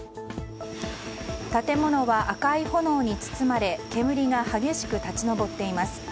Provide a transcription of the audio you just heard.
建物は赤い炎に包まれ煙が激しく立ち上っています。